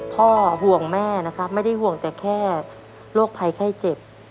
ห่วงแม่นะครับไม่ได้ห่วงแต่แค่โรคภัยไข้เจ็บ